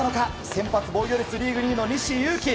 先発、防御率リーグ２位の西勇輝。